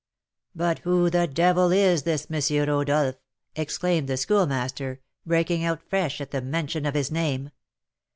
"But who the devil is this M. Rodolph?" exclaimed the Schoolmaster, breaking out fresh at the mention of his name.